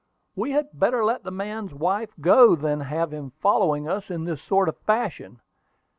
"We had better let the man's wife go than have him following us in this sort of fashion.